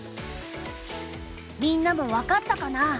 みんなも分かったかな？